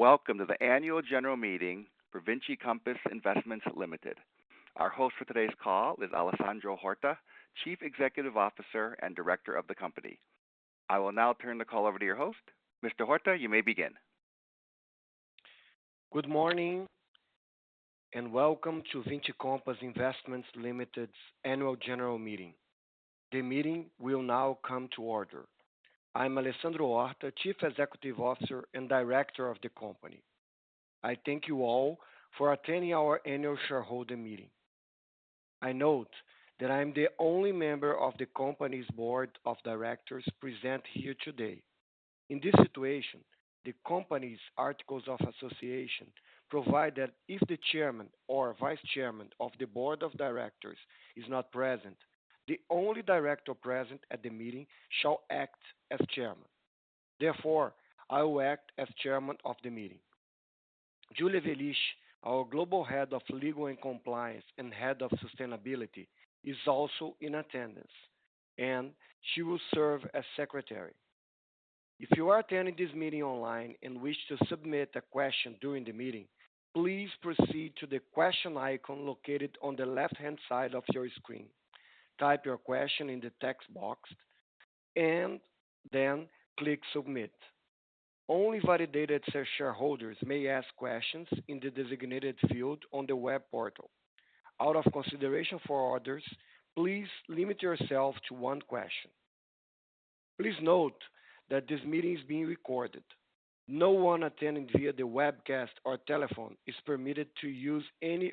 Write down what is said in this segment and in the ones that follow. Welcome to the annual general meeting for Vinci Compass Investments Ltd. Our host for today's call is Alessandro Horta, Chief Executive Officer and Director of the company. I will now turn the call over to your host. Mr. Horta, you may begin. Good morning. Welcome to Vinci Compass Investments Ltd.'s annual general meeting. The meeting will now come to order. I'm Alessandro Horta, Chief Executive Officer and Director of the company. I thank you all for attending our annual shareholder meeting. I note that I am the only member of the company's Board of Directors present here today. In this situation, the company's articles of association provide that if the Chairman or Vice Chairman of the Board of Directors is not present, the only Director present at the meeting shall act as Chairman. Therefore, I will act as Chairman of the meeting. Julya Wellisch, our Global Head of Legal and Compliance and Head of Sustainability is also in attendance. She will serve as secretary. If you are attending this meeting online and wish to submit a question during the meeting, please proceed to the question icon located on the left-hand side of your screen. Type your question in the text box and then click submit. Only validated shareholders may ask questions in the designated field on the web portal. Out of consideration for others, please limit yourself to one question. Please note that this meeting is being recorded. No one attending via the webcast or telephone is permitted to use any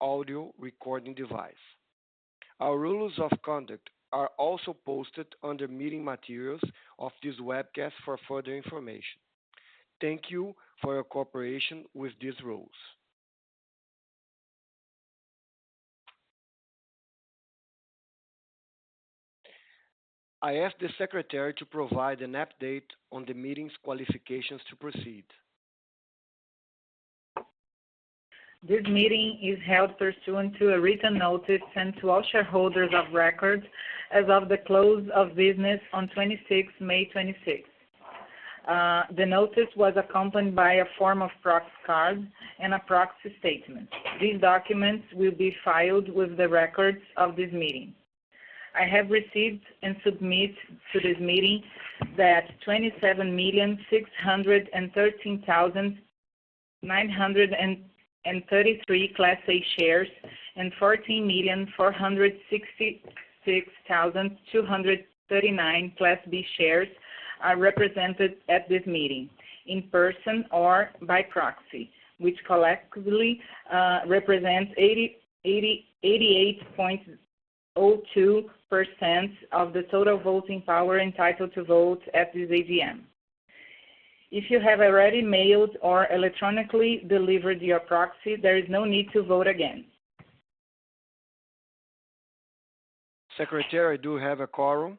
audio recording device. Our rules of conduct are also posted under meeting materials of this webcast for further information. Thank you for your cooperation with these rules. I ask the secretary to provide an update on the meeting's qualifications to proceed. This meeting is held pursuant to a written notice sent to all shareholders of record as of the close of business on 26 May 26. The notice was accompanied by a form of proxy card and a proxy statement. These documents will be filed with the records of this meeting. I have received and submit to this meeting that 27,613,933 Class A shares and 14,466,239 Class B shares are represented at this meeting in person or by proxy, which collectively represents 88.02% of the total voting power entitled to vote at this AGM. If you have already mailed or electronically delivered your proxy, there is no need to vote again. Secretary, do we have a quorum?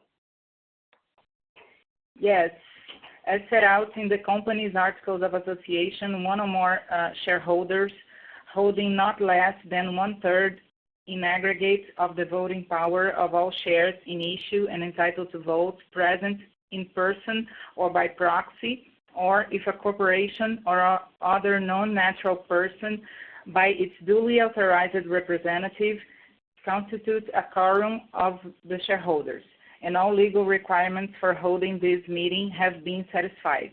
Yes. As set out in the company's articles of association, one or more shareholders holding not less than one-third in aggregate of the voting power of all shares in issue and entitled to vote present in person or by proxy, or if a corporation or other non-natural person by its duly authorized representative, constitutes a quorum of the shareholders, and all legal requirements for holding this meeting have been satisfied.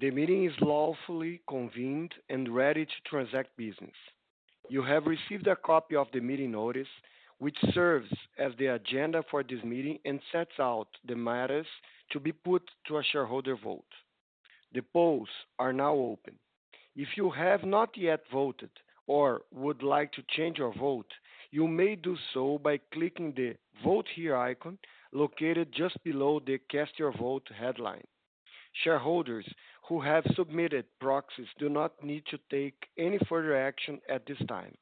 The meeting is lawfully convened and ready to transact business. You have received a copy of the meeting notice, which serves as the agenda for this meeting and sets out the matters to be put to a shareholder vote. The polls are now open. If you have not yet voted or would like to change your vote, you may do so by clicking the Vote Here icon located just below the Cast Your Vote headline. Shareholders who have submitted proxies do not need to take any further action at this time.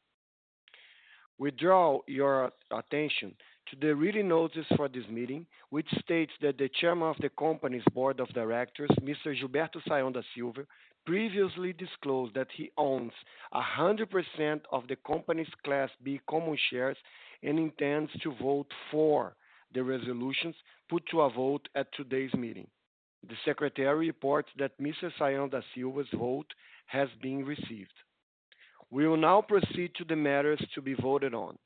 We draw your attention to the reading notes for this meeting, which states that the chairman of the company's board of directors, Mr. Gilberto Sayão da Silva, previously disclosed that he owns 100% of the company's Class B common shares and intends to vote for the resolutions put to a vote at today's meeting. The secretary reports that Mr. Sayão da Silva's vote has been received. We will now proceed to the matters to be voted on.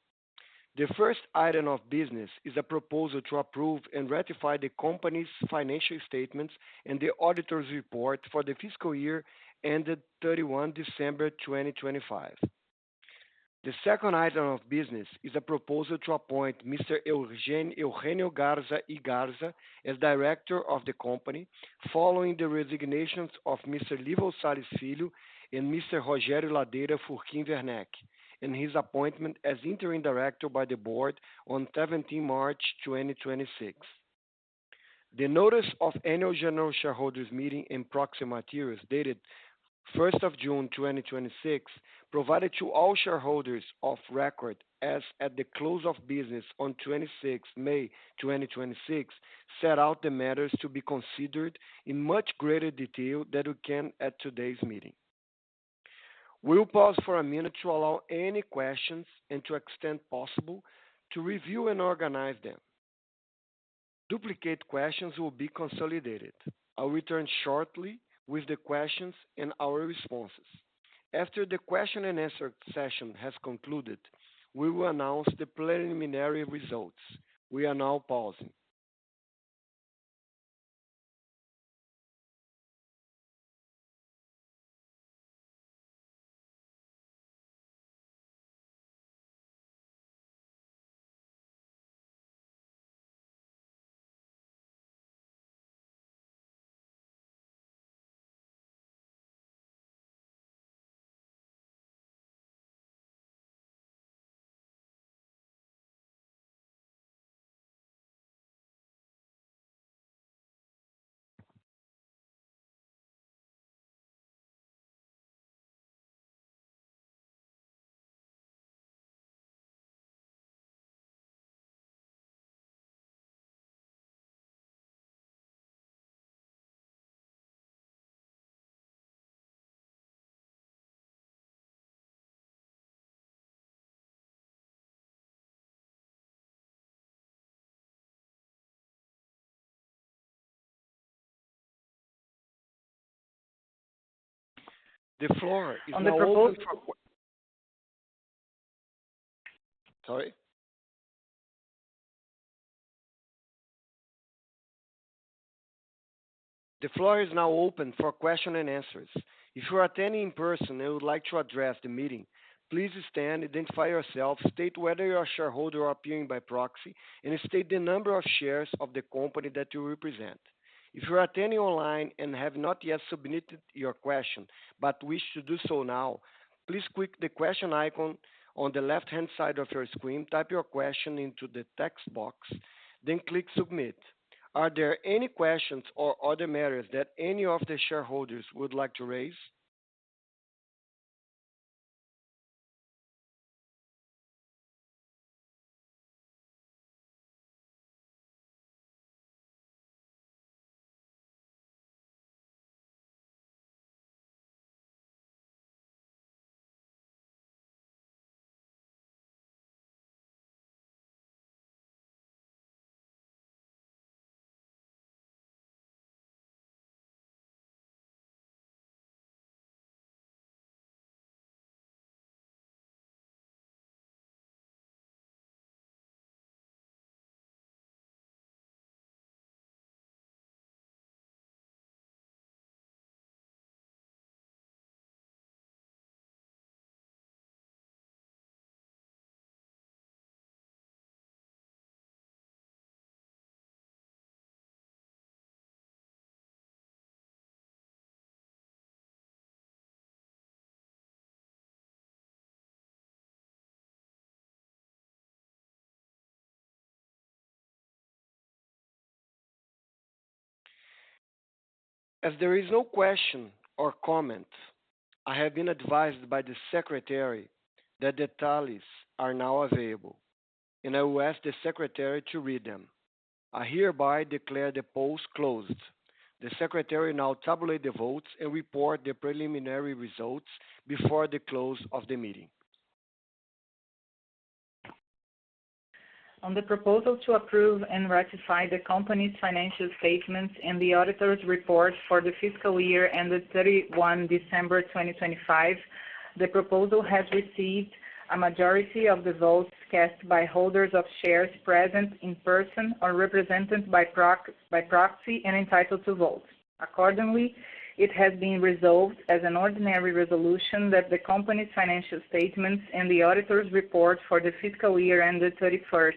The first item of business is a proposal to approve and ratify the company's financial statements and the auditor's report for the fiscal year ended 31 December 2025. The second item of business is a proposal to appoint Mr. Eugenio Garza y Garza as director of the company following the resignations of Mr. Lywal Salles Filho and Mr. Rogério Ladeira Furquim Werneck, and his appointment as interim director by the board on 17 March 2026. The notice of annual general shareholders meeting and proxy materials dated 1st of June 2026 provided to all shareholders of record as at the close of business on 26 May 2026, set out the matters to be considered in much greater detail than we can at today's meeting. We will pause for a minute to allow any questions and to extent possible to review and organize them. Duplicate questions will be consolidated. I'll return shortly with the questions and our responses. After the question and answer session has concluded, we will announce the preliminary results. We are now pausing. Sorry. The floor is now open for question and answers. If you are attending in person and would like to address the meeting, please stand, identify yourself, state whether you're a shareholder or appearing by proxy, and state the number of shares of the company that you represent. If you are attending online and have not yet submitted your question but wish to do so now, please click the question icon on the left-hand side of your screen, type your question into the text box, then click submit. Are there any questions or other matters that any of the shareholders would like to raise? As there is no question or comment, I have been advised by the secretary that the tallies are now available, and I will ask the secretary to read them. I hereby declare the poll closed. The secretary will now tabulate the votes and report the preliminary results before the close of the meeting. On the proposal to approve and ratify the company's financial statements and the auditor's report for the fiscal year ended 31 December 2025, the proposal has received a majority of the votes cast by holders of shares present in person or represented by proxy and entitled to vote. Accordingly, it has been resolved as an ordinary resolution that the company's financial statements and the auditor's report for the fiscal year ended 31st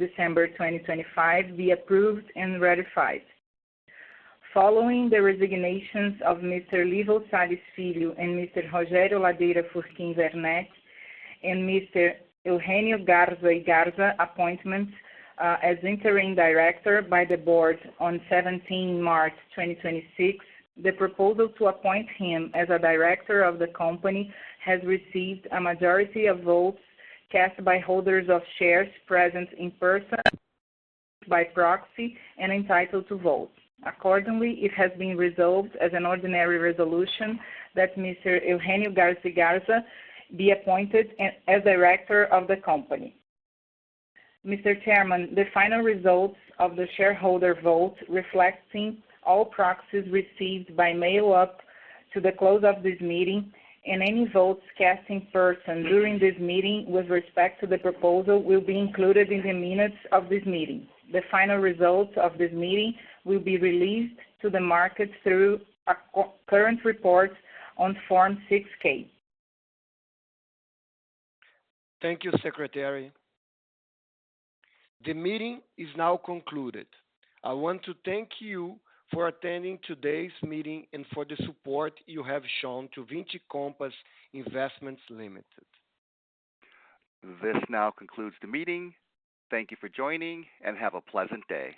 December 2025 be approved and ratified. Following the resignations of Mr. Lywal Salles Filho and Mr. Rogério Ladeira Furquim Werneck, and Mr. Eugenio Garza y Garza appointment as interim director by the board on 17 March 2026, the proposal to appoint him as a director of the company has received a majority of votes cast by holders of shares present in person by proxy and entitled to vote. Accordingly, it has been resolved as an ordinary resolution that Mr. Eugenio Garza y Garza be appointed as director of the company. Mr. Chairman, the final results of the shareholder vote reflecting all proxies received by mail up to the close of this meeting and any votes cast in-person during this meeting with respect to the proposal will be included in the minutes of this meeting. The final results of this meeting will be released to the market through a current report on Form 6-K. Thank you, secretary. The meeting is now concluded. I want to thank you for attending today's meeting and for the support you have shown to Vinci Compass Investments Ltd. This now concludes the meeting. Thank you for joining, and have a pleasant day.